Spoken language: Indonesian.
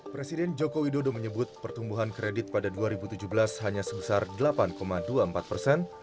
presiden joko widodo menyebut pertumbuhan kredit pada dua ribu tujuh belas hanya sebesar delapan dua puluh empat persen